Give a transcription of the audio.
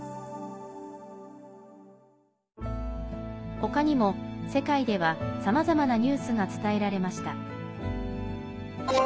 他にも世界では、さまざまなニュースが伝えられました。